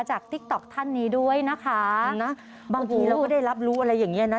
ติ๊กต๊อกท่านนี้ด้วยนะคะบางทีเราก็ได้รับรู้อะไรอย่างเงี้นะ